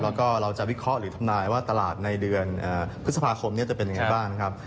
แล้วก็เราจะวิเคราะห์หรือทำนายว่าตลาดในเดือนพฤษภาคมนี้จะเป็นยังไงบ้างครับ